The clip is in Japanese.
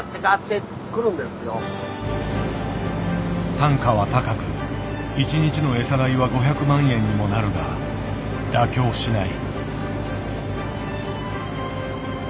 単価は高く１日の餌代は５００万円にもなるが妥協しない。